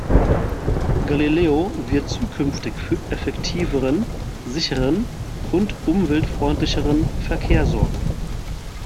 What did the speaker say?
Galileo wird zukünftig für effektiveren, sichereren und umweltfreundlicheren Verkehr sorgen.